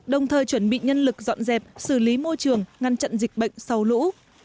đồng thời chuẩn bị nhân lực dọn dẹp xử lý môi trường ngăn chặn dịch bệnh sau lũ